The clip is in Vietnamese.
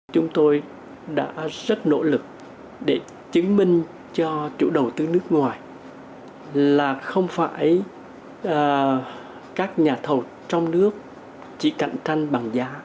chúng tôi đã rất nỗ lực để chứng minh cho chủ đầu tư nước ngoài là không phải các nhà thầu trong nước chỉ cạnh tranh bằng giá